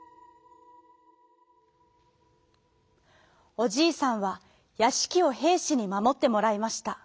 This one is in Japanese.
おじいさんはやしきをへいしにまもってもらいました。